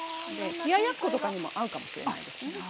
冷ややっことかにも合うかもしれないですね。